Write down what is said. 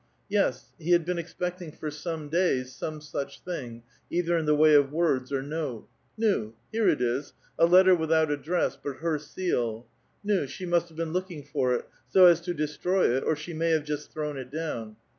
Yes ; he had been expecting for some days some such thing, either in the way of words or note. Nu^ here it is, a letter without address, but her seal ; ?m, she must have been looking for it, so as to destroy it, or she may have just thrown it down.